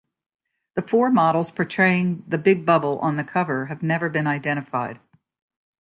The four models portraying the Big Bubble on the cover have never been identified.